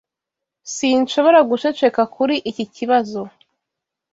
Sinshobora guceceka kuri iki kibazo.